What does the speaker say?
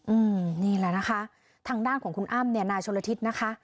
อืมนี่แหละนะคะทางด้านของคุณอ้ำเนี่ยนายชนละทิศนะคะ